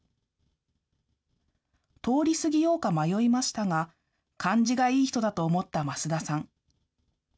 通り過ぎようか迷いましたが、感じがいい人だと思った益田さん。